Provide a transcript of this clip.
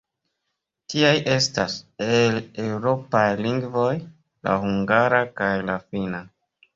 Tiaj estas, el eŭropaj lingvoj, la hungara kaj la finna.